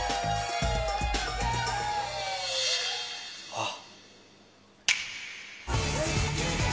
あっ。